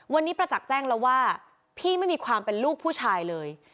วันนี้ประจักษ์แจ้งแล้วว่าพี่ไม่มีความเป็นลูกผู้ชายเลย